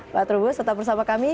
pak trubus tetap bersama kami